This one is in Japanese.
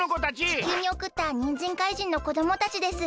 地球におくったにんじん怪人の子どもたちです。